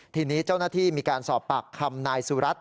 ทีนี้เจ้าหน้าที่มีการสอบปากคำนายสุรัตน